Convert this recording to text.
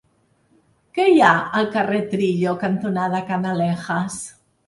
Què hi ha al carrer Trillo cantonada Canalejas?